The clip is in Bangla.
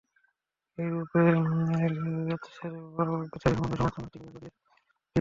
এইরূপেই জ্ঞাতসারে বা অজ্ঞাতসারে সমগ্র সমাজ-সংহতি গড়িয়া উঠিয়াছে।